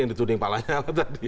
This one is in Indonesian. yang dituding pak lanyala tadi